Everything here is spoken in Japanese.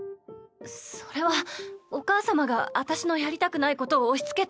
それはお母様が私のやりたくないことを押しつけて。